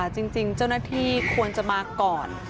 จริงเจ้าหน้าที่ควรจะมาก่อน